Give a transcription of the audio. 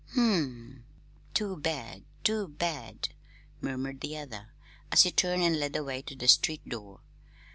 "Hm m; too bad, too bad!" murmured the other, as he turned and led the way to the street door.